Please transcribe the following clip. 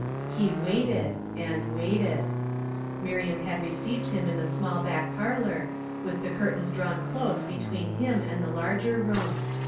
He waited and waited. Mir iam bad received him in the small back parlor, with the curtains drawn close between him and the larger room.